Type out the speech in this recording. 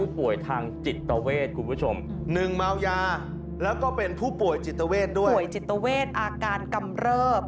พ่วยจิตเวชอาการกำเริบ